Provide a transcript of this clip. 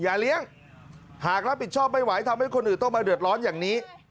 เลี้ยงหากรับผิดชอบไม่ไหวทำให้คนอื่นต้องมาเดือดร้อนอย่างนี้